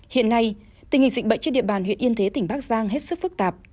hiện nay tình hình dịch bệnh trên địa bàn huyện yên thế tỉnh bắc giang hết sức phức tạp